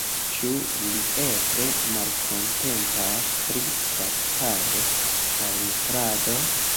Ĉu li eble malkontentas pri traktado kaj nutrado?